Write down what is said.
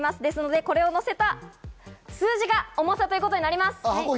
これをのせた数字が重さということになります。